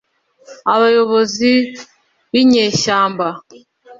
abayobozi b’inyeshyamba